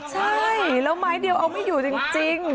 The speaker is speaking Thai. ใช่แล้วไม้เดียวเอาไม่อยู่จริง